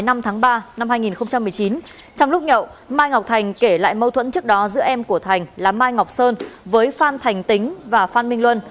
ngày ba hai nghìn một mươi chín trong lúc nhậu mai ngọc thành kể lại mâu thuẫn trước đó giữa em của thành là mai ngọc sơn với phan thành tính và phan minh luân